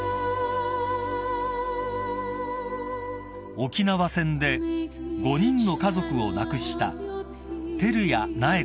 ［沖縄戦で５人の家族を亡くした］